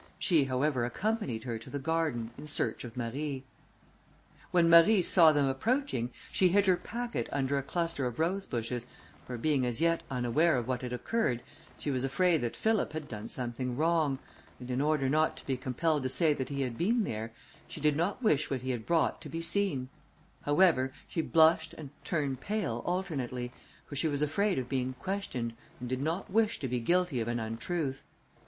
She, however, accompanied her to the garden, in search of Marie. When Marie saw them approaching, she hid her packet under a cluster of rosebushes, for, being as yet unaware of what had occurred, she was afraid that Philip had done something wrong, and in order not to be compelled to say that he had been there, she did not wish what he had brought to be seen; however, she blushed and turned pale alternately, for she was afraid of being questioned, and did not wish to be guilty of an untruth.